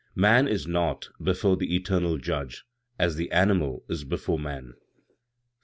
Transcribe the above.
"Man is naught before the eternal Judge; as the animal is before man. 15.